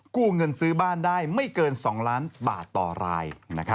กู้เงินซื้อบ้านได้ไม่เกิน๒ล้านบาทต่อราย